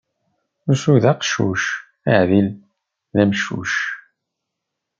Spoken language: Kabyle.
Usu d aqeccuc, aɛdil d ameccuc.